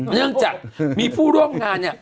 เนื่องจากมีผู้ร่วมงานเนี่ย